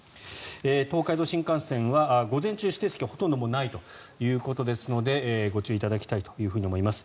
東海道新幹線は午前中、指定席はほとんどないということのようですのでご注意いただきたいと思います。